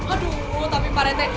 aduh tapi pak rata